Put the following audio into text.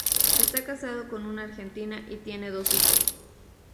Está casado con una argentina y tiene dos hijos.